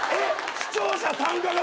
視聴者参加型？